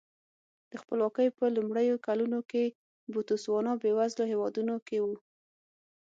د خپلواکۍ په لومړیو کلونو کې بوتسوانا بېوزلو هېوادونو کې و.